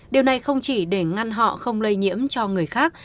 điều này không chỉ để ngăn họ không lây nhiễm cho người khác